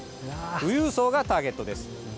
富裕層がターゲットです。